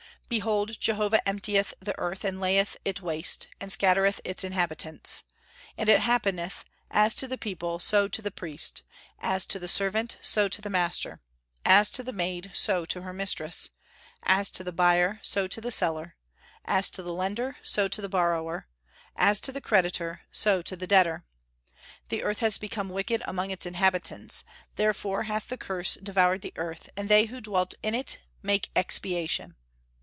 "Behold, Jehovah emptieth the earth, and layeth it waste, and scattereth its inhabitants. And it happeneth, as to the people, so to the priest; as to the servant, so to the master; as to the maid, so to her mistress; as to the buyer, so to the seller; as to the lender, so to the borrower; as to the creditor, so to the debtor. The earth has become wicked among its inhabitants, therefore hath the curse devoured the earth, and they who dwelt in it make expiation."